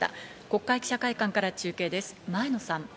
国会記者会館から中継です、前野さん。